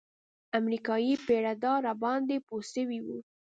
امريکايي پيره دار راباندې پوه سوى و.